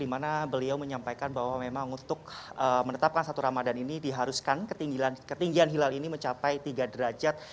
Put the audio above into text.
dimana beliau menyampaikan bahwa memang untuk menetapkan satu ramadan ini diharuskan ketinggian hilal ini mencapai tiga derajat